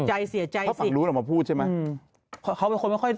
ใช่จะพาไปหาแม่เขา